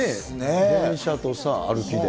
電車とさ、歩きで。